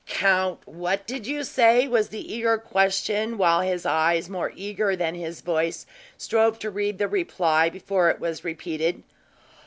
"Count what did you say?" was his eager question, while his eyes, more eager than his voice, strove to read the reply before it was repeated.